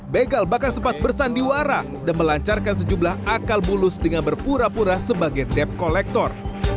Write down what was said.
begal bahkan sempat bersandiwara dan melancarkan sejumlah akal bulus dengan berpura pura sebagai debt collector